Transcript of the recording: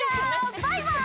バイバーイ！